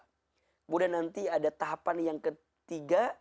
kemudian nanti ada tahapan yang ketiga